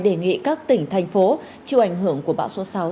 đề nghị các tỉnh thành phố chịu ảnh hưởng của bão số sáu